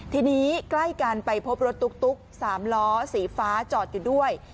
ทีนี้ใกล้กันไปพบรถตุ๊ก๓ล้อสีฟ้าจอดอยู่ด้วย